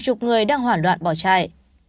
nhiều người đang hoảng loạn bỏ chạy